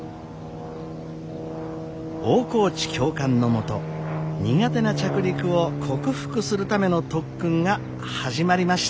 大河内教官の下苦手な着陸を克服するための特訓が始まりました。